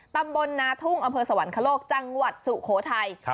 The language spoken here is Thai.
ตำบลนาทุ่งอำเภอสวรรคโลกจังหวัดสุโขทัย